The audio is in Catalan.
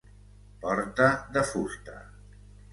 Porta de fusta.